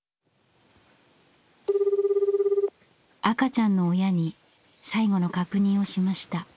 赤ちゃんの親に最後の確認をしました。